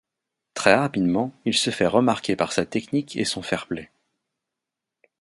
Très rapidement, il se fait remarquer par sa technique et son fair-play.